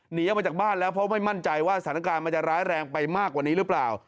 หนีออกมาจากบ้านแล้วเพราะไม่มั่นใจว่าสถานการณ์มันจะร้ายแรงไปมากกว่านี้หรือเปล่า